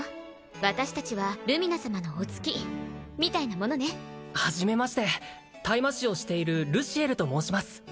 私達はルミナ様のお付きみたいなものねはじめまして退魔士をしているルシエルと申します